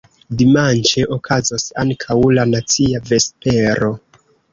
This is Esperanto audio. Dimanĉe okazos ankaŭ la nacia vespero.